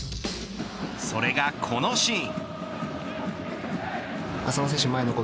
それがこのシーン。